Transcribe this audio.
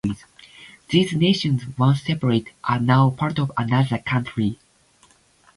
These nations, once separate, are now part of another country.